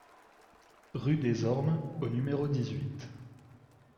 Rue des Ormes au numéro dix-huit